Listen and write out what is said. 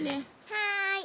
はい。